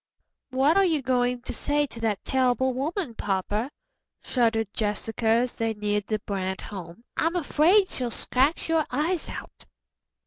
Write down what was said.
"What are you going to say to that terrible woman, papa?" shuddered Jessica as they neared the Brant home. "I'm afraid she'll scratch your eyes out."